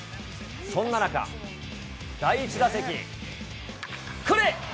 そんな中、第１打席、これ！